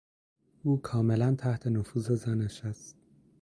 او کاملا تحت نفوذ زنش است.